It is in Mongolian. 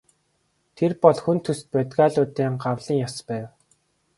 Тэр бол хүн төст бодгалиудын гавлын яс байв.